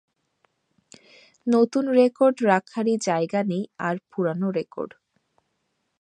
নতুন রেকর্ড রাখারই জায়গা নেই, আর পুরনো রেকর্ড।